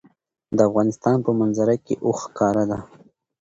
د افغانستان په منظره کې اوښ ښکاره ده.